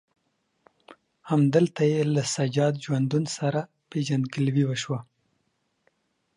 همدلته یې له سجاد ژوندون سره پېژندګلوي وشوه.